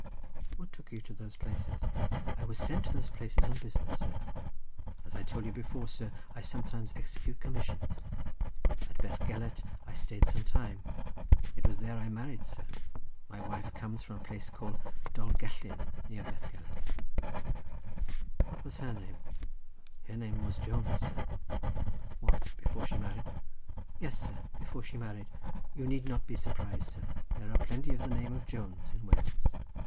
"What took you to those places?" "I was sent to those places on business, sir; as I told you before, sir, I sometimes execute commissions. At Bethgelert I stayed some time. It was there I married, sir; my wife comes from a place called Dol Gellyn near Bethgelert." "What was her name?" "Her name was Jones, sir." "What, before she married?" "Yes, sir, before she married. You need not be surprised, sir; there are plenty of the name of Jones in Wales.